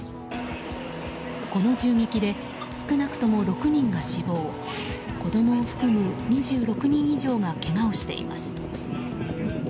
この銃撃で少なくとも６人が死亡子供を含む２６人以上がけがをしています。